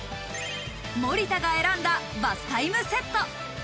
森田が選んだバスタイムセット。